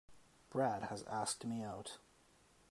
Brad has asked me out.